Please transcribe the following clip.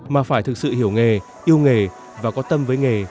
mà phải thực sự hiểu nghề yêu nghề và có tâm với nghề